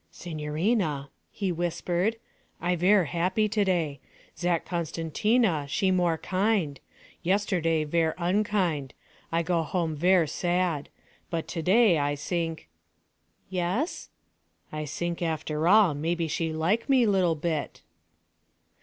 'Signorina,' he whispered, 'I ver' happy to day. Zat Costantina she more kind. Yesterday ver' unkind; I go home ver' sad. But to day I sink ' 'Yes?' 'I sink after all maybe she like me li'l' bit.'